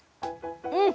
うん！